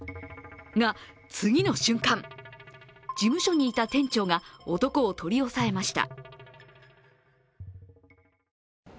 が、次の瞬間事務所にいた店長が男を取り押さえました。